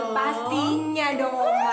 pastinya do oma